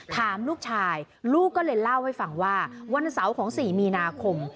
ถามลูกชายลูกก็เลยเล่าให้ฟังว่าวันเสาร์ของ๔มีนาคม